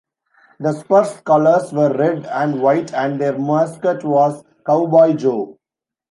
The Spurs' colors were red and white and their mascot was "Cowboy Joe".